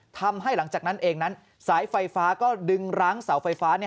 ทำให้หลังจากนั้นเองนั้นสายไฟฟ้าก็ดึงร้างเสาไฟฟ้า